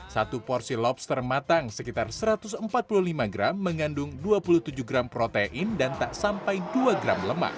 satu porsi lobster matang sekitar satu ratus empat puluh lima gram mengandung dua puluh tujuh gram protein dan tak sampai dua gram lemak